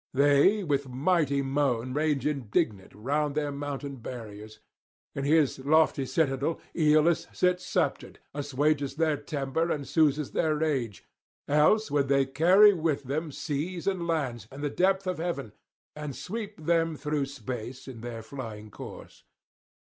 They with mighty moan rage indignant round their mountain barriers. In his lofty citadel Aeolus sits sceptred, assuages their temper and soothes their rage; else would they carry with them seas and lands, and the depth of heaven, and sweep them through space in their flying course.